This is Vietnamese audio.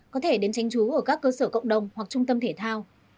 có thể đến tránh trú ở các cơ sở cộng đồng hoặc trung tâm thể thao